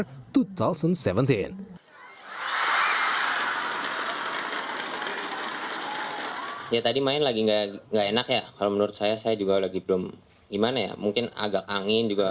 saya agak ada sedikit hati hati ya karena sama seperti yang saya bilang sebelumnya ada sedikit masalah